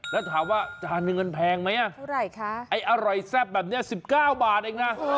แล้วถามว่าจานเงินแพงไหมไอ้อร่อยแซ่บแบบนี้๑๙บาทเองนะ